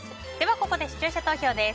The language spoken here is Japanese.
ここで視聴者投票です。